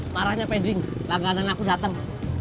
marahnya pending langganan aku dateng